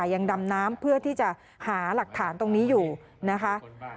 ยังดำน้ำเพื่อที่จะหาหลักฐานตรงนี้อยู่นะคะ